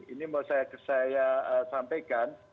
ini mau saya sampaikan